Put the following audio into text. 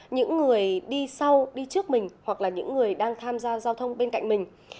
những người đi sau đi trước mình hoặc là những người đang tham gia giao thông bên cạnh mình